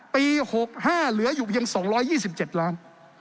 ปี๖๕เหลืออยู่เพียง๒๒๗ล้าน